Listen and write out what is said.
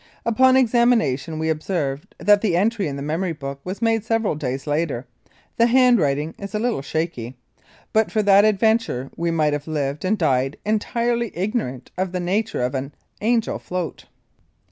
Upon examination we observe that the entry in the memory book was made several days later. The handwriting is a little shaky. But for that adventure we might have lived and died entirely ignorant of the nature of an Angel Float.